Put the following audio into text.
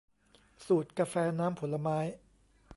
สูตรกาแฟน้ำผลไม้